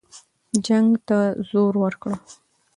جنګ ته زور ورکړه.